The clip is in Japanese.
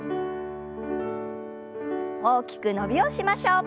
大きく伸びをしましょう。